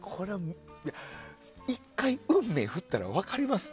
１回、「運命」振ったら分かります。